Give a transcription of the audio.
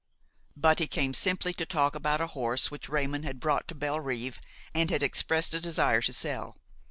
But he came simply to talk about a horse which Raymon had brought to Bellerive and had expressed a desire to sell.